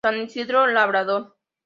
San Isidro labrador.